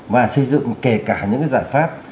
và xây dựng kể cả những cái giải pháp